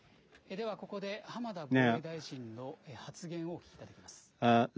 ではここで、浜田防衛大臣の発言をお聞きいただきます。